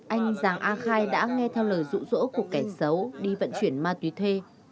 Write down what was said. anh giàng a khai đã nghe theo lời rũ rỗ của kẻ xấu đi vận chuyển ma tùy thuê